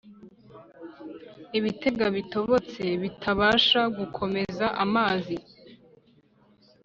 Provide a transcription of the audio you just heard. Ibitega bitobotse bitabasha gukomeza amazi